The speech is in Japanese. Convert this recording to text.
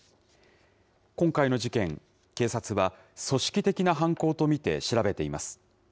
今回の事件、警察は組織的な犯行と見て調べています。